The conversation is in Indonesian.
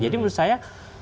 jadi menurut saya